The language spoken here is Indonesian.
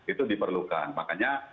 itu diperlukan makanya